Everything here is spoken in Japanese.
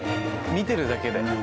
見てるだけで。